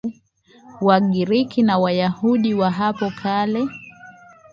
Wagiriki na Wayahudi wa hapo kale